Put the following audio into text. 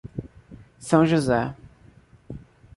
São José